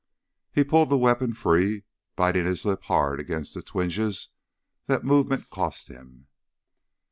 He pulled the weapon free, biting his lip hard against the twinges that movement cost him.